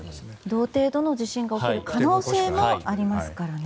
同程度の地震が起こる可能性もありますからね。